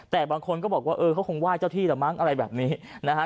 แต่บางคนก็บอกว่าเออเขาคงไหว้เจ้าที่แหละมั้งอะไรแบบนี้นะฮะ